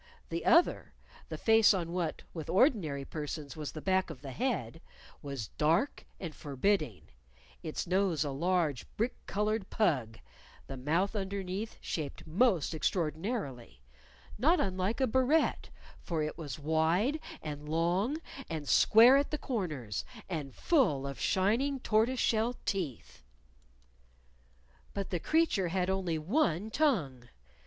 The other (the face on what, with ordinary persons, was the back of the head) was dark and forbidding, its nose a large brick colored pug, the mouth underneath shaped most extraordinarily not unlike a barrette, for it was wide and long, and square at the corners, and full of shining tortoise shell teeth! But the creature had only one tongue.